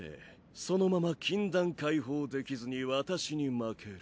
そのまま禁断解放できずに私に負ける。